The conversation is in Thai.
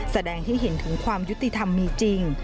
แสดงให้เห็นถึงความยุติธรรมมีจริง